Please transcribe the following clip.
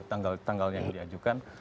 tanggal tanggal yang diajukan